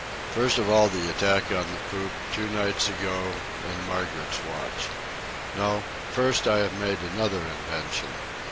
First of all the attack on the poop, two nights ago, in Margaret's watch. No; first, I have made another invention.